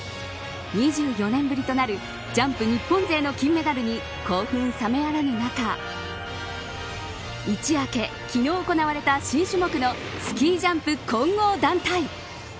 ２４年ぶりとなるジャンプ日本勢の金メダルに興奮冷めやらぬ中一夜明け昨日行われた新種目のスキージャンプ混合団体。